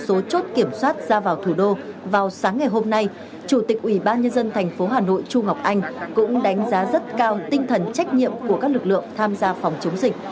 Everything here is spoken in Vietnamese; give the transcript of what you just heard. trong số chốt kiểm soát ra vào thủ đô vào sáng ngày hôm nay chủ tịch ủy ban nhân dân thành phố hà nội chu ngọc anh cũng đánh giá rất cao tinh thần trách nhiệm của các lực lượng tham gia phòng chống dịch